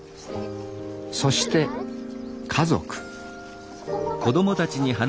そして家族。